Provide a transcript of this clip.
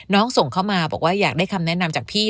ส่งเข้ามาบอกว่าอยากได้คำแนะนำจากพี่